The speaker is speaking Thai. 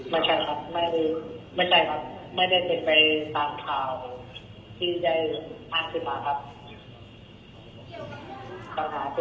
ไม่ใช่ครับไม่ได้เสร็จไปตามข่าวที่ได้ภาษาธิบาคับ